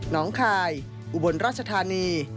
น้องคายอุบลราชธานี